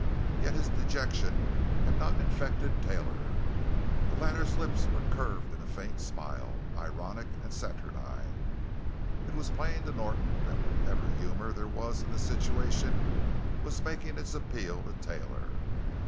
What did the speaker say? Yet his dejection had not infected Taylor; the latter's lips were curved in a faint smile, ironic and saturnine. It was plain to Norton that whatever humor there was in the situation was making its appeal to Taylor.